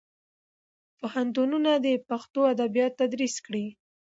پوهنتونونه دې پښتو ادبیات تدریس کړي.